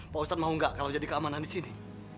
pak ustadz mau enggak kalau jadi keamanan disini